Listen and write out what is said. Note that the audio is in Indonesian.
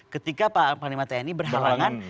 ketika panglima tni berhalangan